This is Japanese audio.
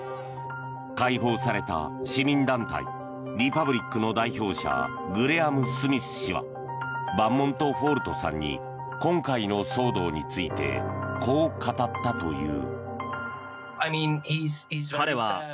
解放された市民団体リパブリックの代表者グレアム・スミス氏はバンモントフォールトさんに今回の騒動についてこう語ったという。